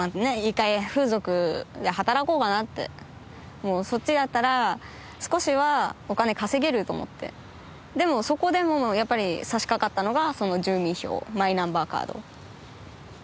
一回風俗で働こうかなってもうそっちだったら少しはお金稼げると思ってでもそこでもやっぱりさしかかったのが住民票マイナンバーカード